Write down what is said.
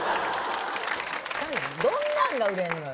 どんなんが売れるのよ。